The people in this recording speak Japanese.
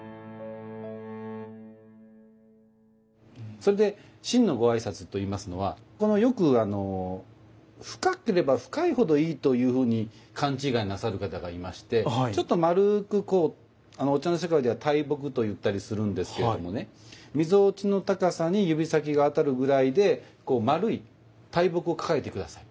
それで真のご挨拶といいますのはよく深ければ深いほどいいというふうに勘違いなさる方がいましてちょっと丸くこうお茶の世界では「大木」と言ったりするんですけどもねみぞおちの高さに指先が当たるぐらいで丸い大木を抱えて下さい。